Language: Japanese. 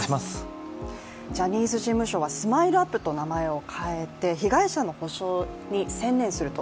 ジャニーズ事務所はＳＭＩＬＥ−ＵＰ．と名前を変えて、被害者の補償に専念すると。